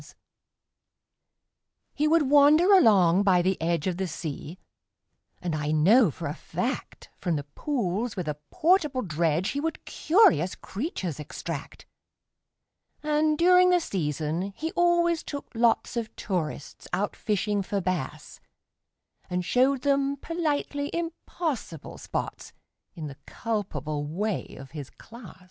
He would wander along by the edge Of the sea, and I know for a fact From the pools with a portable dredge He would curious creatures extract: And, during the season, he always took lots Of tourists out fishing for bass, And showed them politely impossible spots, In the culpable way of his class.